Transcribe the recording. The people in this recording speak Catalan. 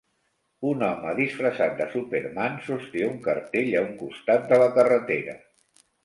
Un home disfressat de Superman sosté un cartell a un costat de la carretera.